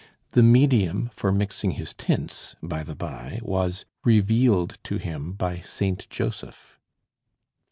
The medium for mixing his tints, by the by, was "revealed to him by Saint Joseph."